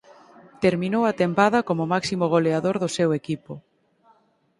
Terminou a tempada como máximo goleador do seu equipo.